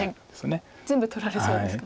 全部取られそうですか。